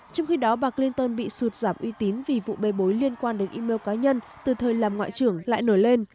trong khi đó bà clinton bị sụt giảm uy tín vì vụ bê bối liên quan đến email cá nhân từ thời làm ngoại trưởng lại nổi lên